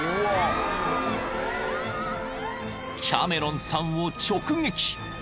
［キャメロンさんを直撃］